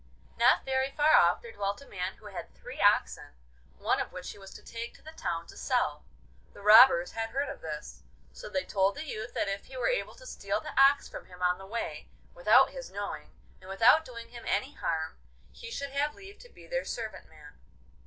Not very far off there dwelt a man who had three oxen, one of which he was to take to the town to sell. The robbers had heard of this, so they told the youth that if he were able to steal the ox from him on the way, without his knowing, and without doing him any harm, he should have leave to be their servant man.